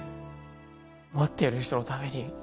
待っている人のために。